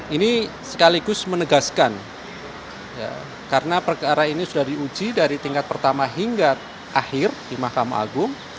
ini sekaligus menegaskan karena perkara ini sudah diuji dari tingkat pertama hingga akhir di mahkamah agung